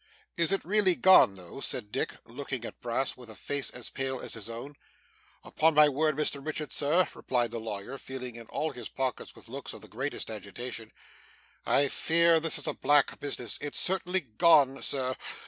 'Is it really gone though?' said Dick, looking at Brass with a face as pale as his own. 'Upon my word, Mr Richard, Sir,' replied the lawyer, feeling in all his pockets with looks of the greatest agitation, 'I fear this is a black business. It's certainly gone, Sir.